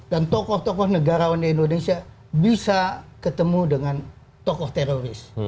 dan tokoh tokoh negarawan di indonesia bisa ketemu dengan tokoh teroris